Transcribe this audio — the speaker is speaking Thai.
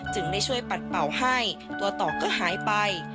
ได้ช่วยปัดเป่าให้ตัวต่อก็หายไป